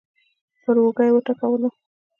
پر اوږه يې وټپولم.